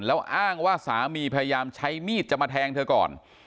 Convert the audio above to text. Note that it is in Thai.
แล้วอ้างว่าสามีพยายามใช้มีดจะมาแทงเธอก่อน